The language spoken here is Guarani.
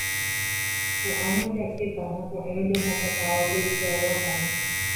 ko'ág̃a jakéta ha ko'ẽrõ jaháta távape jaguatami.